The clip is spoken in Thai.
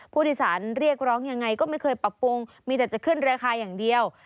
ผู้โดยสารเรียกร้องยังไงก็ไม่เคยปรับปรุงมีแต่จะขึ้นราคาอย่างเดียว